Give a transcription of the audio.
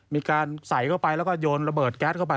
มีการใส่เข้าไปแล้วก็โยนระเบิดแก๊สเข้าไป